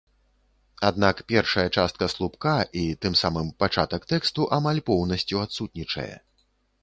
Аднак першая частка слупка і, тым самым, пачатак тэксту амаль поўнасцю адсутнічае.